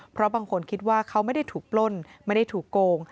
เพราะบางคนคิดว่าเขาไม่ได้ถูกปล้นไม่ได้ถูกโกง